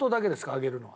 上げるのは。